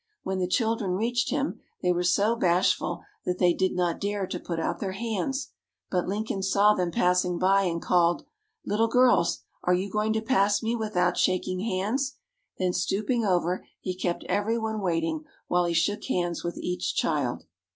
When the children reached him, they were so bashful, that they did not dare to put out their hands. But Lincoln saw them passing by, and called: "Little girls, are you going to pass me without shaking hands?" Then, stooping over, he kept every one waiting while he shook hands with each child.